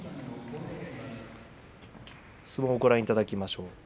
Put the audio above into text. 相撲をご覧いただきましょう。